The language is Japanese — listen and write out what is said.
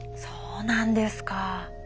そうなんですか。